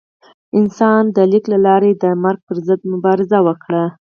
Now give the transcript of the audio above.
انسان د لیک له لارې د مرګ پر ضد مبارزه وکړه.